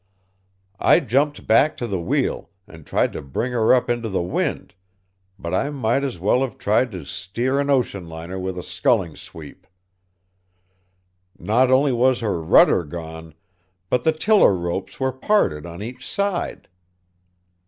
"I jumped back to the wheel and tried to bring her up into the wind, but I might as well have tried to steer an ocean liner with a sculling sweep. Not only was her rudder gone, but the tiller ropes were parted on each side.